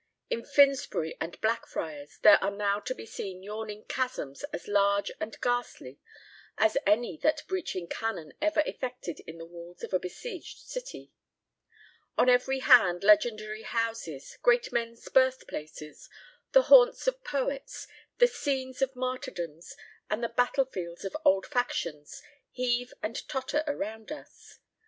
In Finsbury and Blackfriars there are now to be seen yawning chasms as large and ghastly as any that breaching cannon ever effected in the walls of a besieged city. On every hand legendary houses, great men's birthplaces, the haunts of poets, the scenes of martyrdoms, and the battle fields of old factions, heave and totter around us.